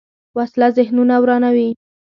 وسله ذهنونه ورانوي